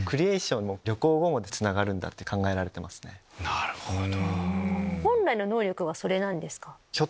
なるほど。